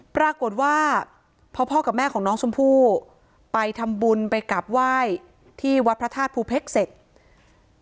ปรากฏว่าพอพ่อกับแม่ของน้องชมพู่ไปทำบุญไปกลับไหว้ที่วัดพระธาตุภูเพชรเสร็จ